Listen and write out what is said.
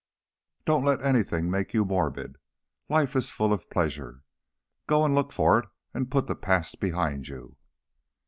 Don't let anything make you morbid. Life is full of pleasure. Go and look for it, and put the past behind you."